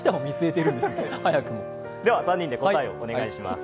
３人で答えお願いします。